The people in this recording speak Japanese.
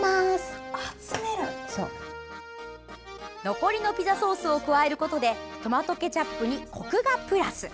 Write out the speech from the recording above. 残りのピザソースを加えることでトマトケチャップにこくがプラス。